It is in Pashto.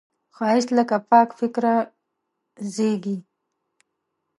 ښایست له پاک فکره زېږي